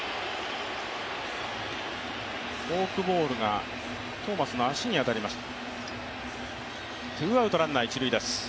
フォークボールがトーマスの足に当たりました。